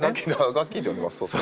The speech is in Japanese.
ガッキーって呼んでます。